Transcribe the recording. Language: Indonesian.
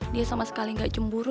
dia sama sekali nggak cemburu